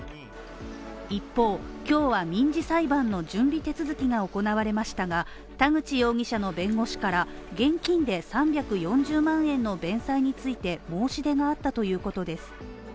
一方、今日は民事裁判の準備手続きが行われましたが、田口容疑者の弁護士から現金で３４０万円の弁済について申し出があったということです。